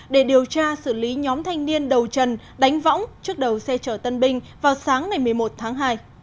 để điều tra xử lý nhóm thanh niên đầu chân đánh võng trước đầu xe chở tân binh vào sáng ngày một mươi một tháng hai